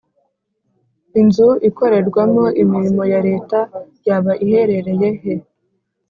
inzu ikorerwamo imirimo ya leta yaba iherereye he